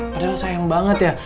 padahal sayang banget ya